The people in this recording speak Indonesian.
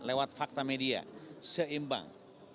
lewat fakta media seimbang